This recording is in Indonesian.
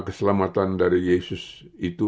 keselamatan dari yesus itu